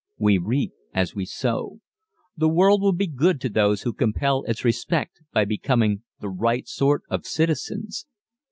We reap as we sow. The world will be good to those who compel its respect by becoming the right sort of citizens.